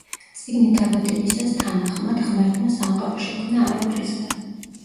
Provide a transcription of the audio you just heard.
წიგნი დაბადებისას თანახმად, ღმერთმა სამყარო შექმნა არაფრისგან.